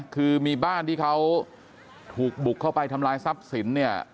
คือมีบ้านที่เขาถูกบุกเข้าไปทำลายทรัพย์สินเนี่ย